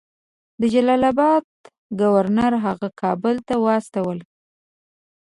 د جلال آباد ګورنر هغوی کابل ته واستول.